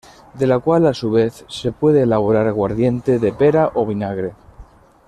De la cual, a su vez, se puede elaborar aguardiente de pera o vinagre.